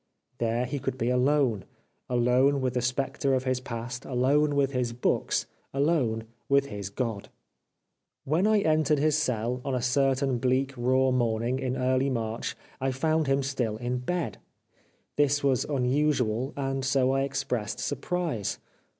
There he could be alone — alone with the spectre of his past, alone with his books, alone with his God ! When I entered his cell on a certain bleak, raw morning in early March I found him still in bed. This was unusual, and so I expressed surprise.